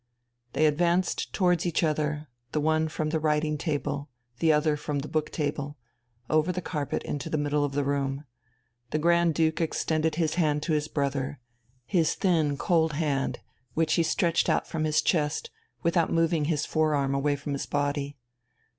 They advanced towards each other, the one from the writing table, the other from the book table, over the carpet into the middle of the room. The Grand Duke extended his hand to his brother his thin, cold hand which he stretched out from his chest without moving his forearm away from his body.